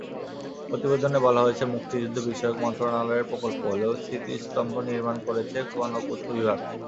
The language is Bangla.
প্রতিবেদনে বলা হয়েছে, মুক্তিযুদ্ধবিষয়ক মন্ত্রণালয়ের প্রকল্প হলেও স্মৃতিস্তম্ভ নির্মাণ করেছে গণপূর্ত বিভাগ।